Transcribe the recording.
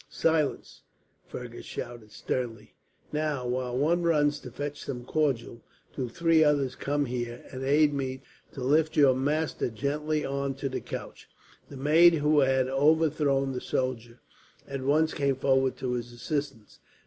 "Silence!" Fergus shouted sternly. "Now, while one runs to fetch some cordial, do three others come here, and aid me to lift your master gently on to this couch." The maid who had overthrown the soldier at once came forward to his assistance.